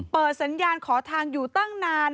เปิดสัญญาณขอทางอยู่ตั้งนาน